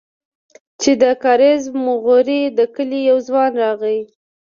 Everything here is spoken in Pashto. چې د کاريز موغري د کلي يو ځوان راغى.